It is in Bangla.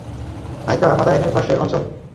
আয়কা মাদায়নের পার্শ্বের অঞ্চল।